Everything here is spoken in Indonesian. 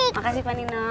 makasih pak nino